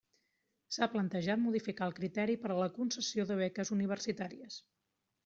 S'ha plantejat modificar el criteri per a la concessió de beques universitàries.